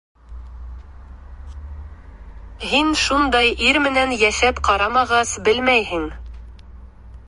Һин шундай ир менән йәшәп ҡарамағас, белмәйһең.